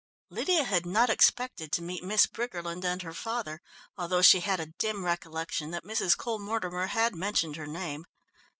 Lydia had not expected to meet Miss Briggerland and her father, although she had a dim recollection that Mrs. Cole Mortimer had mentioned her name.